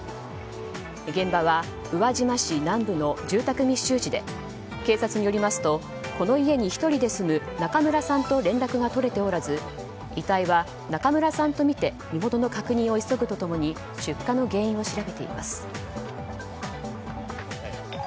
現場は宇和島市南部の住宅密集地で警察によりますとこの家に１人で住む中村さんと連絡が取れておらず遺体は中村さんとみて遺体の身元の確認を急ぐと共に出火の原因を調べています。